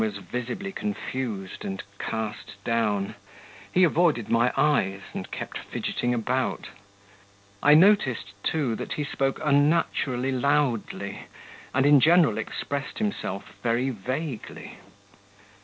Ozhogin was visibly confused and cast down, he avoided my eyes, and kept fidgeting about. I noticed, too, that he spoke unnaturally loudly, and in general expressed himself very vaguely.